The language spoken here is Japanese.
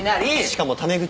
しかもタメ口。